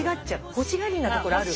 欲しがりなところある。